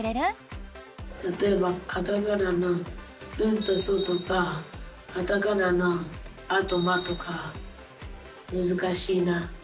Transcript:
たとえばカタカナの「ン」と「ソ」とかカタカナの「ア」と「マ」とかむずかしいなって思います。